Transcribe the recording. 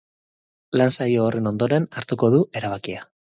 Lan saio horren ondoren hartuko du erabakia.